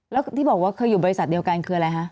แล้วที่บอกว่าเคยอยู่บริษัทเดียวกันคืออะไรคะ